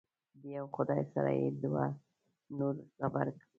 د یو خدای سره یې دوه نور غبرګ کړي.